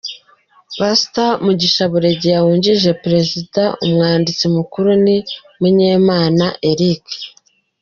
Past Mugisha Buregeya wungirije Perezida, Umwanditsi Mukuru ni Munyemana Eric.